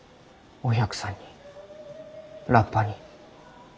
お百さんにラッパに。